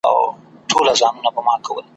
له کلو مي نمک خور پر دسترخوان دي ,